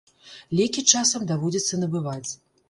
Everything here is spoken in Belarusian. Лекі часам даводзіцца набываць.